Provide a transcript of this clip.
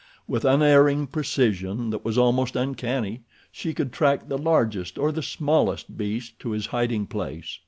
With unerring precision that was almost uncanny she could track the largest or the smallest beast to his hiding place.